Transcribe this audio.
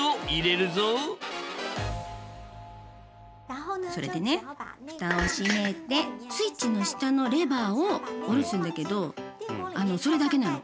今回はそれでね蓋を閉めてスイッチの下のレバーを下ろすんだけどそれだけなの。